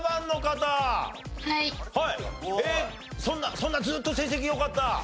そんなそんなずっと成績良かった？